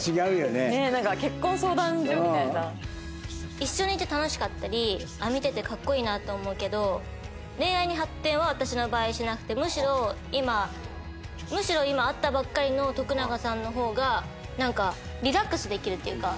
一緒にいて楽しかったり見てて格好いいなと思うけど恋愛に発展は私の場合しなくてむしろ今むしろ今会ったばかりの徳永さんの方がリラックスできるというか。